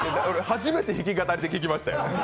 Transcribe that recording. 初めて弾き語りで聞きましたよ。